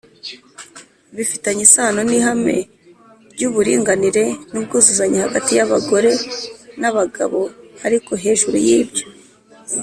Bifitanye isano n ihame ry uburinganire n ubwuzuzanye hagati y abagore n abagabo ariko hejuru y ibyo